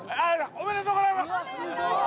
おめでとうございます！